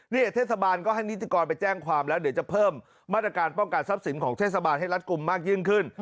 เทศบาลก็ให้นิติกรไปแจ้งความแล้วเดี๋ยวจะเพิ่มมาตรการป้องกันทรัพย์สินของเทศบาลให้รัดกลุ่มมากยิ่งขึ้น